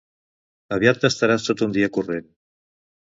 Aviat t'estaràs tot un dia corrent.